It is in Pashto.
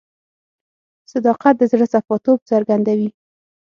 صداقت د زړه صفا توب څرګندوي.